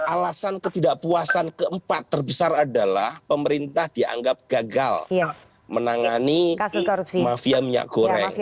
alasan ketidakpuasan keempat terbesar adalah pemerintah dianggap gagal menangani mafia minyak goreng